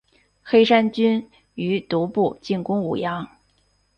黑山军于毒部进攻武阳。